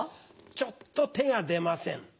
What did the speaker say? ちょっと手が出ません。